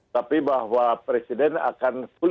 tapi bahwa presiden akan fully support